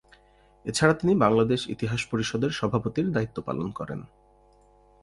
এছাড়া তিনি বাংলাদেশ ইতিহাস পরিষদের সভাপতির দায়িত্ব পালন করেন।